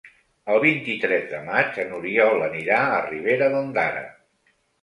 El vint-i-tres de maig n'Oriol anirà a Ribera d'Ondara.